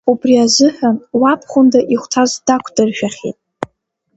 Убри азыҳәан, уабхәында ихәҭаз дақәдыршәахьеит.